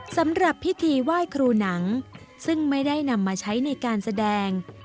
สำหรับพิธีไหว้ครูหนังซึ่งไม่ได้นำมาใช้ในการแสดง